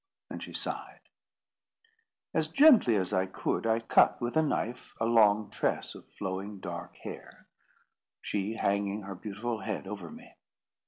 And she sighed. As gently as I could, I cut with a knife a long tress of flowing, dark hair, she hanging her beautiful head over me.